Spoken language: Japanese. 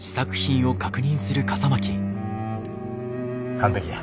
完璧や。